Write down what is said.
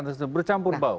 terus itu bercampur baur